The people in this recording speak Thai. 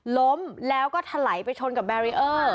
ล้มแล้วก็ถลายไปชนกับแบรีเออร์